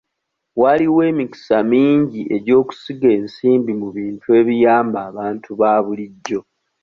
Waliwo emikisa mingi egy'okusiga ensimbi mu bintu ebiyamba abantu ba bulijjo.